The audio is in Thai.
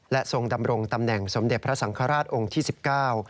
ทรงดำรงตำแหน่งสมเด็จพระสังฆราชองค์ที่สิบเก้า